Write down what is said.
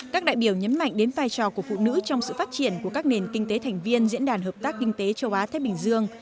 các đại biểu nhấn mạnh đến vai trò của phụ nữ trong sự phát triển của các nền kinh tế thành viên diễn đàn hợp tác kinh tế châu á thái bình dương